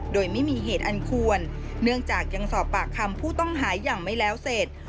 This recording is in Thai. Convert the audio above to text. โดยไม่มีเหตุอันควรเนื่องจากยังสอบปากคำผู้ต้องหาอย่างไม่แล้วเสร็จ